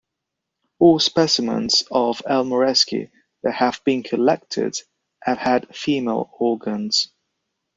All specimens of "L. maerski" that have been collected have had female organs.